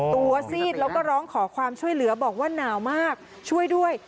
ซีดแล้วก็ร้องขอความช่วยเหลือบอกว่าหนาวมากช่วยด้วย